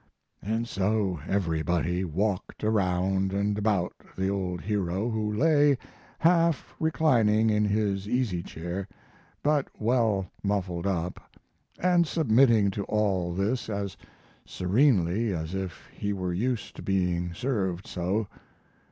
And so everybody walked around and about the old hero, who lay half reclining in his easy chair, but well muffled up, and submitting to all this as serenely as if he were used to being served so.